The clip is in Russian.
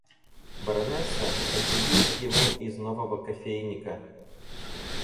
Баронесса, кофею ему из нового кофейника.